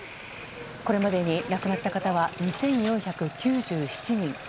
これまでに亡くなった方は２４９７人。